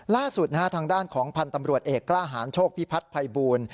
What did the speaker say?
ล่าสุดทางด้านของพันธ์ตำรวจเอกกล้าหารโชคพิพัฒน์ภัยบูล